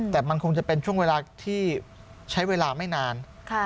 แต่มันคงจะเป็นช่วงเวลาที่ใช้เวลาไม่นาน